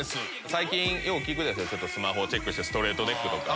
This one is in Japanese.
最近よう聞くでしょスマホをチェックしてストレートネックとか。